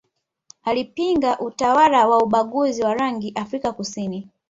alipinga utawala wa ubaguzi wa rangi Afrika kusini